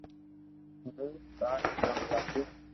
ھون ٿاريو ڪاوُ لاگو